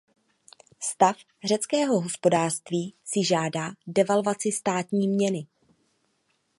Stav řeckého hospodářství si žádá devalvaci státní měny.